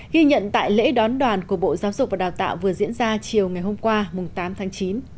ghi nhận tại lễ đón đoàn của bộ giáo dục và đào tạo vừa diễn ra chiều ngày hôm qua tám tháng chín